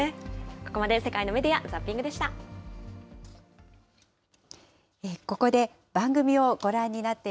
ここまで、世界のメディア・ザッピングでした。